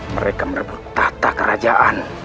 mereka merebut tahta kerajaan